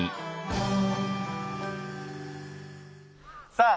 さあ